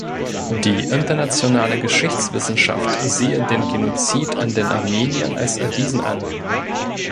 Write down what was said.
Die internationale Geschichtswissenschaft sähe den Genozid an den Armeniern als erwiesen an.